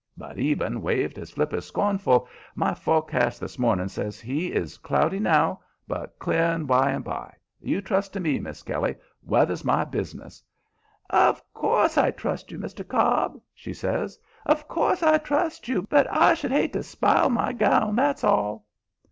But Eben waved his flipper, scornful. "My forecast this morning," says he, "is cloudy now, but clearing by and by. You trust to me, Mis' Kelly. Weather's my business." "Of COURSE I trust you, Mr. Cobb," she says, "Of course I trust you, but I should hate to spile my gown, that's all."